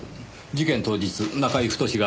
事件当日中居太が。